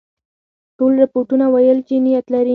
ټولو رپوټونو ویل چې نیت لري.